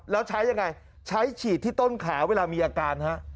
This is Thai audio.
แล้วใช้ยังไงใช้ฉีดที่ต้นขาเวลามีอาการฮะ